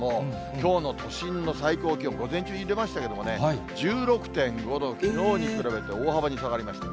きょうの都心の最高気温、午前中に出ましたけどね、１６．５度、きのうに比べて大幅に下がりました。